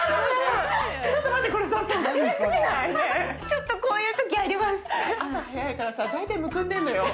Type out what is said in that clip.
ちょっとこういうときあります。